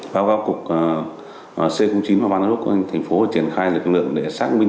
báo cáo cục c chín và ban đốt của thành phố triển khai lực lượng để xác minh